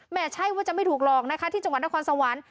ใช่ว่าจะไม่ถูกหลอกนะคะที่จังหวัดนครสวรรค์